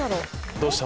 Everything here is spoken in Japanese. どうした？